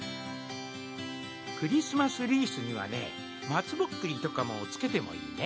クリスマスリースにはね松ぼっくりとかもつけてもいいね。